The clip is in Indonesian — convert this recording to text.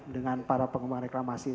dengan para pengembang reklamasi